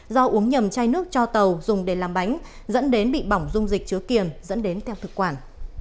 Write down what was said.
do uống nhầm chai nước cho tàu dùng để làm bánh dẫn đến bị bỏng dung dịch chứa kiềm dẫn đến theo thực quản